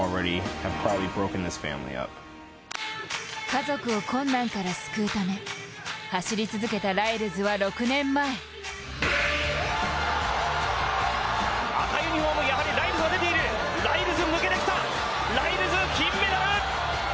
家族を困難から救うため走り続けたライルズは６年前ライルズ、金メダル！